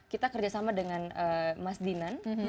kita kerjasama dengan mas dinan